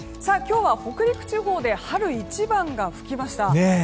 今日は北陸地方で春一番が吹きました。